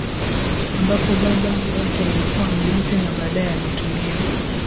Ambapo baba yake alikuwa mlinzi na baadaye alitumia